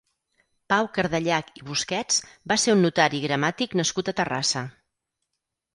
Pau Cardellach i Busquets va ser un notari i gramàtic nascut a Terrassa.